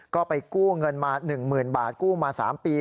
ก็ไปกู้เงินมา๑๐๐๐บาทกู้มา๓ปี